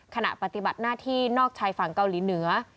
ขณะปฏิบัติหน้าที่นอกชายฝั่งเกาหลีเหนือ